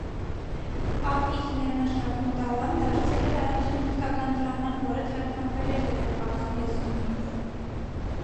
Աբհիջնյանաշակունտալան դարձել էր առաջին հնդկական դրաման, որը թարգմանվել էր եվրոպական լեզուներով։